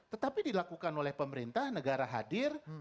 tetapi dilakukan oleh pemerintah negara hadir